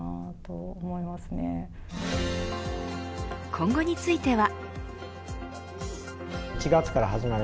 今後については。